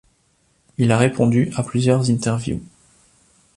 Il a répondu à plusieurs interview.